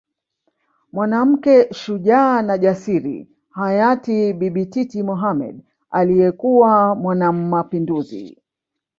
Mwanamke shujaa na jasiri hayati Bibi Titi Mohamed aliyekuwa mwanamapinduzi